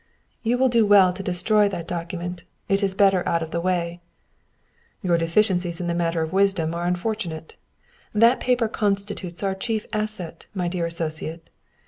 "You will do well to destroy that document. It is better out of the way." "Your deficiencies in the matter of wisdom are unfortunate. That paper constitutes our chief asset, my dear associate.